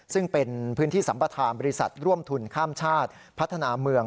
ซึ่งเป็นพื้นที่สัมปทานบริษัทร่วมทุนข้ามชาติพัฒนาเมือง